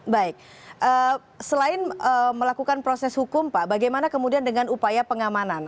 baik selain melakukan proses hukum pak bagaimana kemudian dengan upaya pengamanan